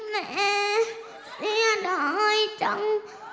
แม่เสียดายจัง